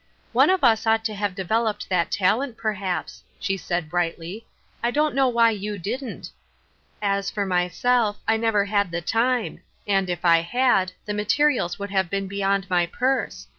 •* One of us ought to have developed that tal ent, perhaps," she said, brightly. " I don't know why you didn't. As for myself, I never had the time, and, if I had, the materials would have been bej^ond my purse.